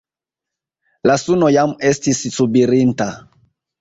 La suno jam estis subirinta.